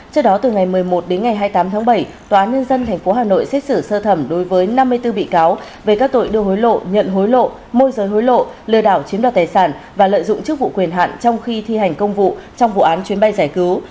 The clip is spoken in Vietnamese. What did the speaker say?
trước đó từ ngày một mươi một đến ngày hai mươi tám tháng bảy tòa nhân dân tp hà nội xét xử sơ thẩm đối với năm mươi bốn bị cáo về các tội đưa hối lộ nhận hối lộ môi giới hối lộ lừa đảo chiếm đoạt tài sản và lợi dụng chức vụ quyền hạn trong khi thi hành công vụ trong vụ án chuyến bay giải cứu